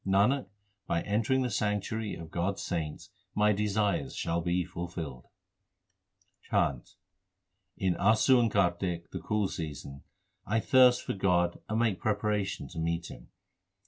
Nanak, by entering the sanctuary of God s saints my desires shall be fulfilled. CHHANT In Assu and Kartik, the cool season, I thirst for God and make preparation to meet Him.